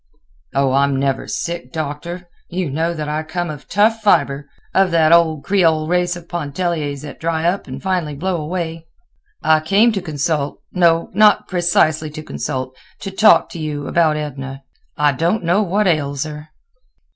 "Oh! I'm never sick, Doctor. You know that I come of tough fiber—of that old Creole race of Pontelliers that dry up and finally blow away. I came to consult—no, not precisely to consult—to talk to you about Edna. I don't know what ails her."